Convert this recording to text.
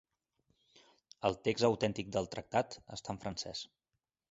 El text autèntic del Tractat està en francès.